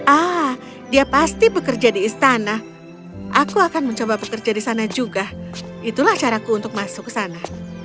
ah dia pasti bekerja di istana aku akan mencoba bekerja di sana juga itulah caraku untuk masuk ke sana